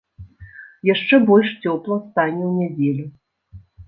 Яшчэ больш цёпла стане ў нядзелю.